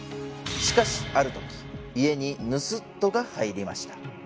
しかしある時家に盗っ人が入りました